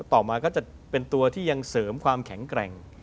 ต่อมาก็จะเป็นตัวที่ยังเสริมความแข็งแกร่ง